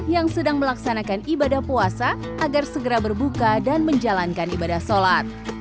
yang sedang melaksanakan ibadah puasa agar segera berbuka dan menjalankan ibadah sholat